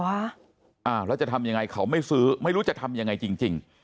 อ้าวแล้วจะทำยังไงเขาไม่ซื้อไม่รู้จะทำยังไงจริง